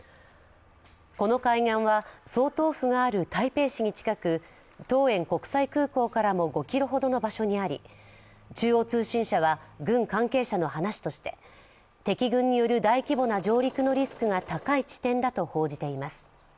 この海岸は総統府がある台北市に近く桃園国際空港からも５ｋｍほどの場所にあり、中央通信社は軍関係者の話として、敵軍による大規模な上陸のリスクが高い地点だと報じています。